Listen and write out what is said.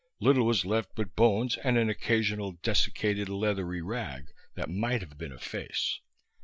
Little was left but bones and an occasional desiccated leathery rag that might have been a face.